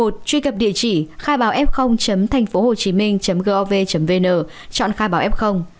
một truy cập địa chỉ khai báo f thànhphố hồchiminh gov vn chọn khai báo f